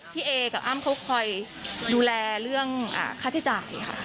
เอกับอ้ำเขาคอยดูแลเรื่องค่าใช้จ่ายค่ะ